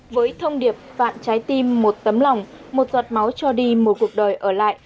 với thông điệp vạn trái tim một tấm lòng một giọt máu cho đi một cuộc đời ở lại